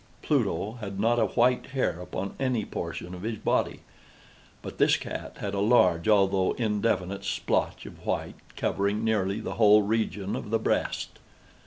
Pluto had not a white hair upon any portion of his body; but this cat had a large, although indefinite splotch of white, covering nearly the whole region of the breast.